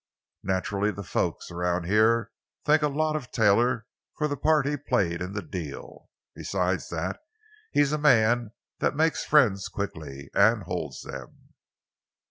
"Naturally, the folks around here think a lot of Taylor for the part he played in the deal. Besides that, he's a man that makes friends quickly—and holds them."